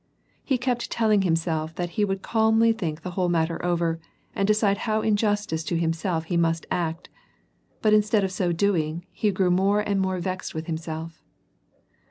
He kept telling himself that he would calmly think the whole matter over, and decide how in justice to himself he must act ; but instead of so doing, he grew more and more vexed with himself.